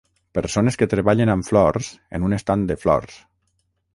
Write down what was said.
Persones que treballen amb flors en un estand de flors